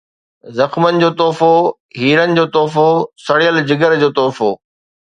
زخمن جو تحفو، هيرن جو تحفو، سڙيل جگر جو تحفو